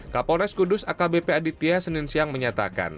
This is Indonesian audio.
kapolres kudus akbp aditya senin siang menyatakan